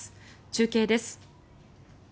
中継です。